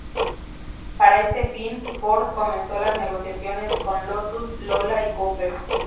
Para este fin, Ford comenzó las negociaciones con Lotus, Lola y Cooper.